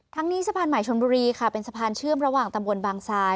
นี้สะพานใหม่ชนบุรีค่ะเป็นสะพานเชื่อมระหว่างตำบลบางทราย